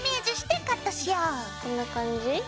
こんな感じ？